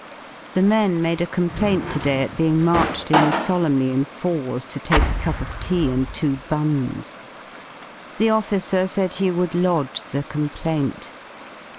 The men made a complaint to day at being marched in solemnly in fours to take a cup of tea and two buns. The officer said he would lodge the complaint.